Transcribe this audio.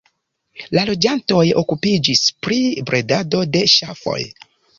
La loĝantoj okupiĝis pri bredado de ŝafoj.